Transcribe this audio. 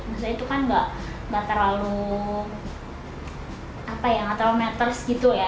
maksudnya itu kan gak terlalu meters gitu ya